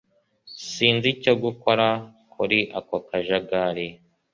Sinzi icyo gukora kuri ako kajagari